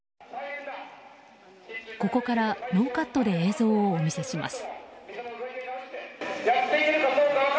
ここからノーカットで映像をお見せします